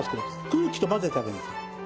空気と混ぜてあげるんですよ。